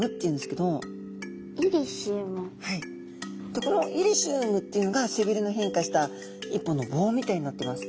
でこのイリシウムっていうのが背びれの変化した１本の棒みたいになっています。